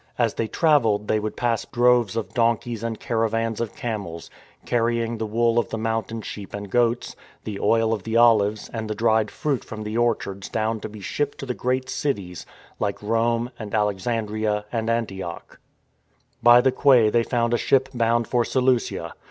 As they travelled they would pass droves of donkeys and cara vans of camels, carrying the wool of the mountain sheep and goats, the oil of the olives and the dried fruit from the orchards down to be shipped to the great cities like Rome and Alexandria and Antioch, By the quay they found a ship bound for Seleucia.